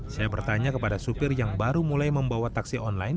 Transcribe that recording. saya bertanya kepada supir yang baru mulai membawa taksi online